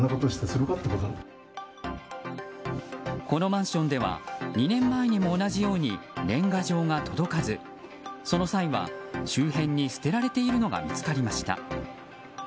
このマンションでは２年前にも同じように年賀状が届かずその際は、周辺に捨てられているのが見つかりました。